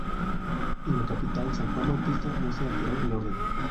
En la capital San Juan Bautista no se alteró el orden.